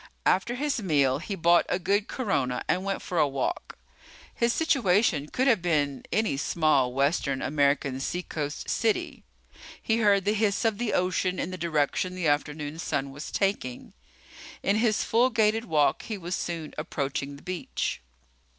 After his meal, he bought a good corona and went for a walk. His situation could have been any small western American seacoast city. He heard the hiss of the ocean in the direction the afternoon sun was taking. In his full gaited walk, he was soon approaching the beach.